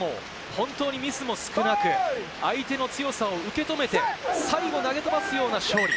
本当にミスも少なく、相手の強さを受け止めて、最後投げ飛ばすような勝利。